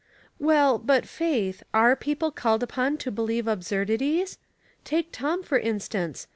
" Well, but. Faith, are people called upon to believe absurdities? Take Tom, for instance.